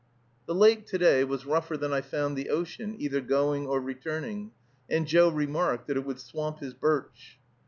The lake to day was rougher than I found the ocean, either going or returning, and Joe remarked that it would swamp his birch.